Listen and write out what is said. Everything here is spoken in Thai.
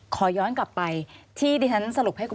ควิทยาลัยเชียร์สวัสดีครับ